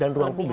dan ruang publik